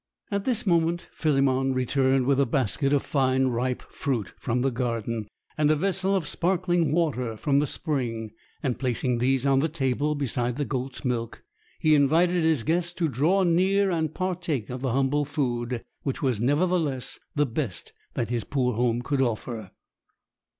At this moment, Philemon returned with a basket of fine ripe fruit from the garden, and a vessel of sparkling water from the spring; and placing these on the table beside the goat's milk, he invited his guests to draw near and partake of the humble food, which was, nevertheless, the best that his poor home could offer.